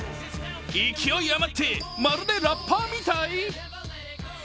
勢いあまって、まるでラッパーみたい？